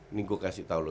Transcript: ini gue kasih tau lo